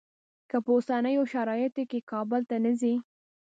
که په اوسنیو شرایطو کې کابل ته نه ځې.